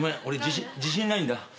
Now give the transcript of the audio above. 俺自信ないんだ。